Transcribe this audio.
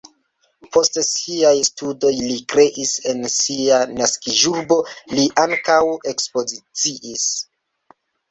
Post siaj studoj li kreis en sia naskiĝurbo, li ankaŭ ekspoziciis.